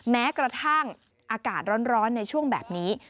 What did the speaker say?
แม้กระทั่งอากาศร้อนในช่วงแบบนี้